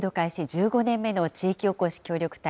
１５年目の地域おこし協力隊。